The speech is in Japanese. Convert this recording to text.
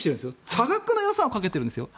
多額の予算をかけているんですよ